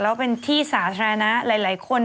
แล้วเป็นที่สาธารณะหลายคน